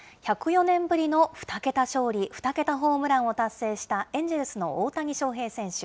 １０４年ぶりの２桁勝利、２桁ホームランを達成した、エンジェルスの大谷翔平選手。